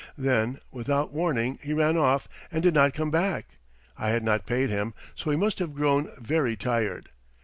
Then, without warning, he ran off and did not come back. I had not paid him, so he must have grown very tired.